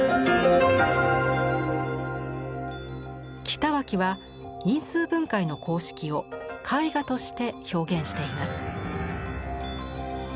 北脇は因数分解の公式を絵画として表現しています。